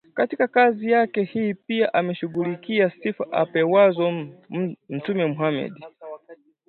Katika kazi yake hii pia ameshughulikia sifa apewazo Mtume Mohamed